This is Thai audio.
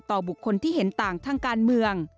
บุคคลที่เห็นต่างทางการเมือง